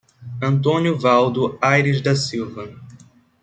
Antônio Valdo Aires da Silva